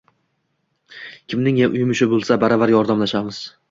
Kimning yumushi bo`lsa, baravar yordamlashamiz